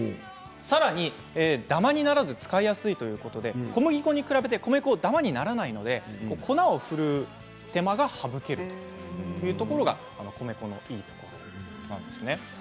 さらにダマにならず使いやすいということで小麦粉に比べて米粉はダマにならないので粉をふるう手間が省けるというところが米粉のいいところなんですね。